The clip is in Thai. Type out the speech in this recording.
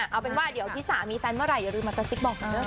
เอาเป็นว่าพี่สามีแฟนเมื่อไหร่อย่ารืมมาตาซิกบอกสินะ